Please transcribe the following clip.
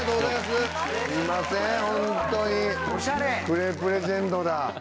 クレープレジェンドだ。